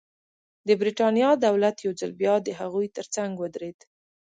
د برېټانیا دولت یو ځل بیا د هغوی ترڅنګ ودرېد.